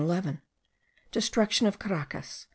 Destruction of Caracas.